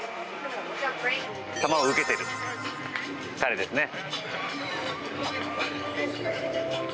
球を受けている彼ですね。